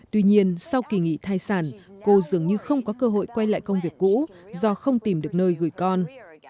tuy nhiên sau kỳ nghỉ thai sản cô dường như không có cơ hội quay lại công việc cũ do không tìm được nơi gửi con